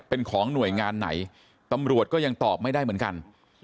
เป็นของหน่วยงานไหนตำรวจก็ยังตอบไม่ได้เหมือนกัน